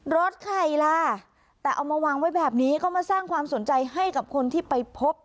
รถใครล่ะแต่เอามาวางไว้แบบนี้ก็มาสร้างความสนใจให้กับคนที่ไปพบ